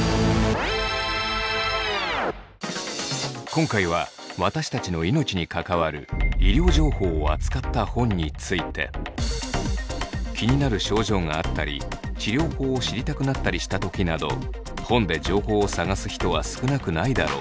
今回は私たちの命に関わる気になる症状があったり治療法を知りたくなったりしたときなど本で情報を探す人は少なくないだろう。